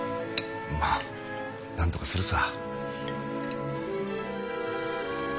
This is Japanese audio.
まあなんとかするさ。